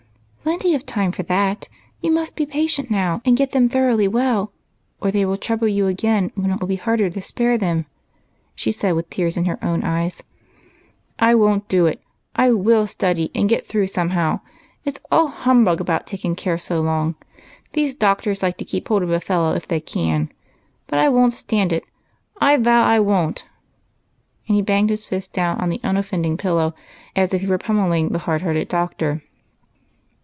" Plenty of time for that ; you must be patient now, and get them thoronghly well, or they will trouble you again when it will be harder to spare them," she said, with tears in her own eyes. " I won't do it ! I loill study and get through some how. It 's all humbug about taking care so long. These doctors like to keep hold of a fellow if they can. But I won't stand it, — I vow I won't!" and he banged his fist down on the unoffending ])illow as if he were pommelling the hard hearted doctor.